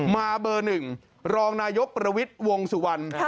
มาเบอร์๑รองนายกประวิทย์วงสุวรรณ